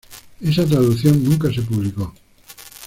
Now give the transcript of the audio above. Esa traducción nunca se publicó.